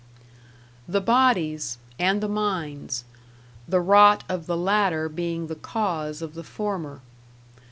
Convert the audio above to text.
The bodies and the minds; the rot of the latter being the cause of the former.